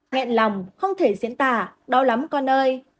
ngẹn lòng không thể diễn tả đau lắm con ơi